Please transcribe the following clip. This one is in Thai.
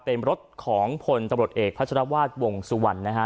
เป็นรถของผลตะบรดเอกพจารวาสวงศ์สุวรรณนะคะ